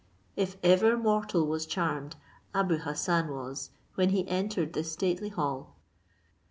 If ever mortal was charmed, Abou Hassan was when he entered this stately hall.